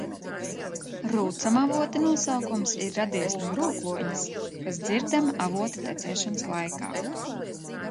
Rūcamavota nosaukums ir radies no rūkoņas, kas dzirdama avota tecēšanas laikā.